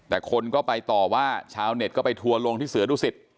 แต่คนก็ไปต่อว่าชาวเน็ตก็ไปทัวร์ลงที่เสือดุสิต